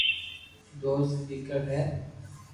تو دوست ڪيڪر ھي